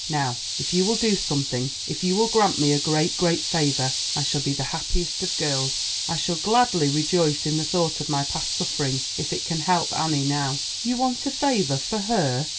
Now, if you will do something, if you will grant me a great, great favor, I shall be the happiest of girls; I shall gladly rejoice in the thought of my past suffering if it can help Annie now." "You want a favor for her?"